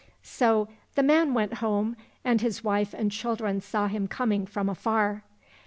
So the man went home, and his wife and children saw him coming from afar.